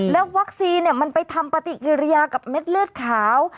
แล้ววัคซีนมันไปทำปฏิกิริยากับเม็ดเลือดขาว